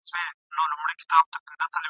نن جهاني بل غزل ستا په نامه ولیکل !.